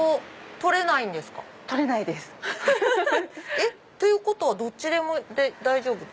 取れないです。ということはどっちでも大丈夫？